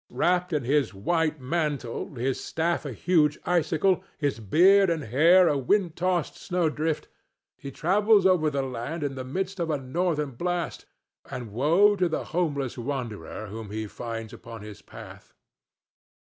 Wrapped in his white mantle, his staff a huge icicle, his beard and hair a wind tossed snowdrift, he travels over the land in the midst of the northern blast, and woe to the homeless wanderer whom he finds upon his path!